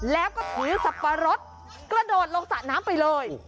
แล้วก็ถือสับปะรดกระโดดลงสระน้ำไปเลย